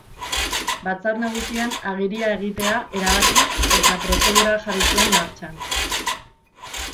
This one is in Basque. Batzar Nagusian agiria egitea erabaki eta prozedura jarri zuen martxan.